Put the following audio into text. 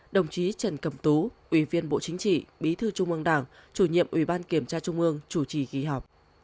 đồng chí trần cẩm tú ủy viên bộ chính trị bí thư trung ương đảng chủ nhiệm ủy ban kiểm tra trung ương chủ trì kỳ họp